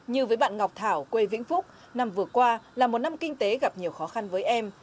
như với bạn ngọc thảo quê vĩnh phúc năm vừa qua là một năm kinh tế gặp nhiều khó khăn với em